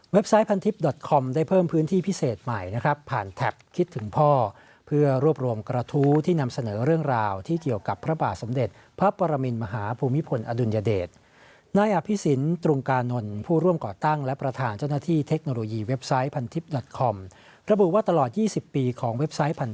ไซต์พันทิพย์ดอตคอมได้เพิ่มพื้นที่พิเศษใหม่นะครับผ่านแท็บคิดถึงพ่อเพื่อรวบรวมกระทู้ที่นำเสนอเรื่องราวที่เกี่ยวกับพระบาทสมเด็จพระปรมินมหาภูมิพลอดุลยเดชนายอภิสินตรงกานนท์ผู้ร่วมก่อตั้งและประธานเจ้าหน้าที่เทคโนโลยีเว็บไซต์พันทิพย์คอมระบุว่าตลอด๒๐ปีของเว็บไซต์พัน